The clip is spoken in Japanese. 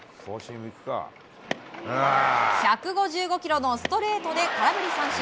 １５５キロのストレートで空振り三振。